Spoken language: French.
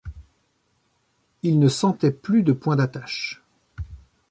Il ne sentait plus de point d’attache.